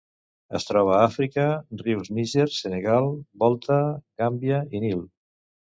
Es troba a Àfrica: rius Níger, Senegal, Volta, Gàmbia i Nil.